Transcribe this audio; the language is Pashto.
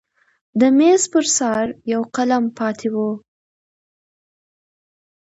د میز پر سر یو قلم پاتې و.